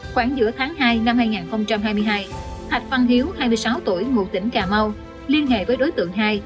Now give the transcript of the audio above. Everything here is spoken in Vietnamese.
khoảng giữa tháng hai năm hai nghìn hai mươi hai thạch văn hiếu hai mươi sáu tuổi ngụ tỉnh cà mau liên hệ với đối tượng hai